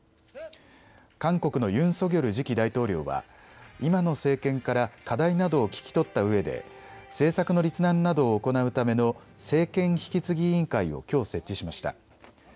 韓国のユン・ソギョル次期大統領は今の政権から課題などを聞き取ったうえで政策の立案などを行うための政権引き継ぎ委員会をきょう、設置しました。